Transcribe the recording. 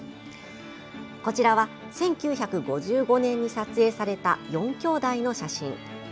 こちらは１９５５年に撮影された４兄弟の写真。